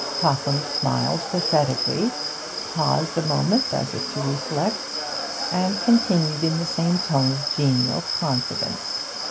Topham smiled pathetically, paused a moment as if to reflect, and continued in the same tone of genial confidence.